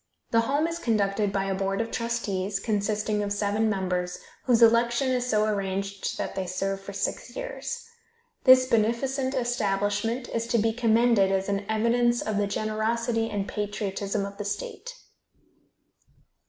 The home is conducted by a board of trustees, consisting of seven members, whose election is so arranged that they serve for six years. This beneficent establishment is to be commended as an evidence of the generosity and patriotism of the state.